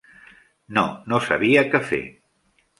No, no sabia què fer.